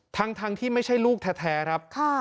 ทั้งที่ไม่ใช่ลูกแท้ครับ